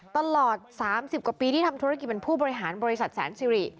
ตลอด๓๐กว่าปีที่ทำธุรกิจเป็นผู้บริหารบริษัทแสนสิริ